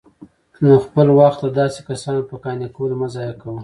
نو خپل وخت د داسي كسانو په قانع كولو مه ضايع كوه